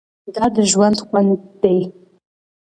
دا د ژوند خوند دی.